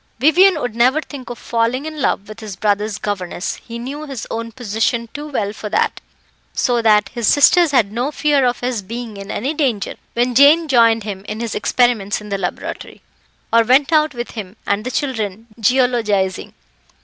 Vivian would never think of falling in love with his brother's governess he knew his own position too well for that: so that his sisters had no fear of his being in any danger when Jane joined him in his experiments in the laboratory, or went out with him and the children geologising.